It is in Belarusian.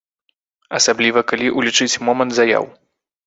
Асабліва калі ўлічыць момант заяў.